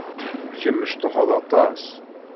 Kemm mecṭuḥed aṭas.